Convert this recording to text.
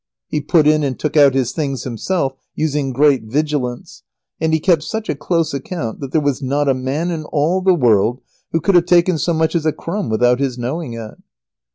He put in and took out his things himself, using great vigilance, and he kept such a close account that there was not a man in all the world who could have taken so much as a crumb without his knowing it.